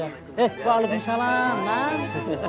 eh walaupun salah emang